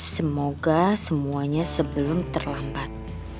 semoga semuanya sebelum terlambat